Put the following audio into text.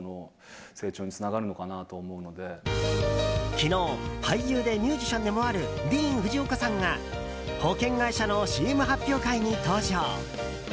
昨日、俳優でミュージシャンでもあるディーン・フジオカさんが保険会社のＣＭ発表会に登場。